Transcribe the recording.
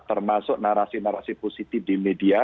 termasuk narasi narasi positif di media